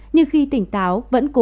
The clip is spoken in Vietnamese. nhưng khi tỉnh táo vẫn cố